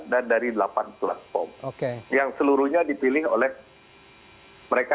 dan dari delapan platform yang seluruhnya dipilih oleh mereka